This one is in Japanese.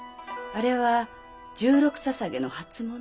あれは十六ささげの初物？